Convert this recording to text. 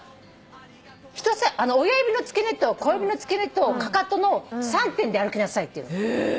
親指の付け根と小指の付け根とかかとの三点で歩きなさいって。